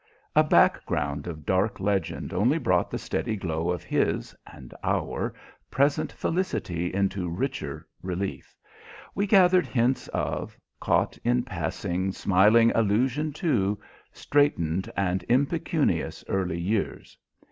A background of dark legend only brought the steady glow of his and our present felicity into richer relief. We gathered hints of, caught in passing smiling allusion to, straitened and impecunious early years.